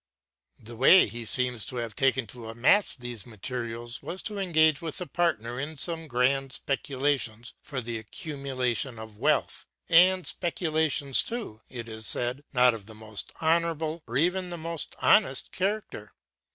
The way he seems to have taken to amass these materials was to engage with a partner in some grand speculations for the accumulation of wealth, and speculations too, it is said, not of the most honorable or even the most honest character.